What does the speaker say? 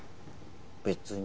別に。